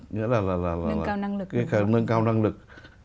nâng cao năng lực